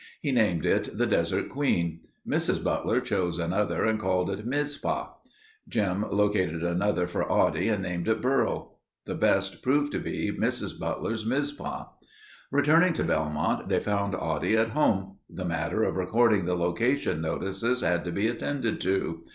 He named it The Desert Queen. Mrs. Butler chose another and called it Mizpah. Jim located another for Oddie and named it Burro. The best proved to be Mrs. Butler's Mizpah. Returning to Belmont, they found Oddie at home. The matter of recording the location notices had to be attended to.